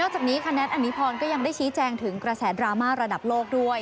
จากนี้ค่ะแนทอนิพรก็ยังได้ชี้แจงถึงกระแสดราม่าระดับโลกด้วย